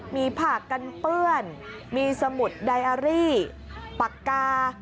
มีผ้ากันเปื้อนมีสมุดไดอารี่ปากกา